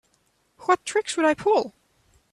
What tricks would I pull?